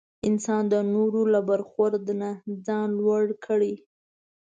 انسان د نورو له برخورد نه ځان لوړ کړي.